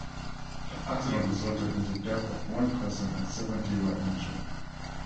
The accident resulted in the death of one person and seventy were injured.